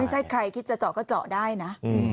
ใครคิดจะเจาะก็เจาะได้นะ